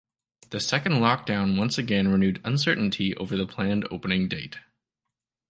The second lockdown once again renewed uncertainty over the planned opening date.